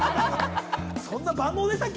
そんな万能でしたっけ？